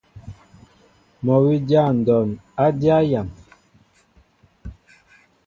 Mol wi dya ndɔn a dya yam.